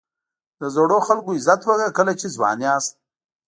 د زړو خلکو عزت وکړه کله چې ځوان یاست.